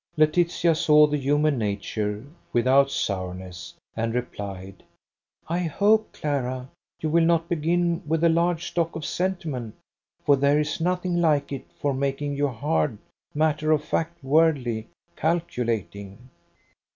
Laetitia saw the human nature, without sourness: and replied, "I hope, Clara, you will not begin with a large stock of sentiment, for there is nothing like it for making you hard, matter of fact, worldly, calculating."